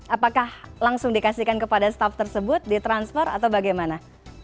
apakah langsung dikasihkan kepada staff tersebut ditransfer atau bagaimana